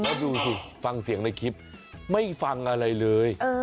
แล้วดูสิฟังเสียงในคลิปไม่ฟังอะไรเลย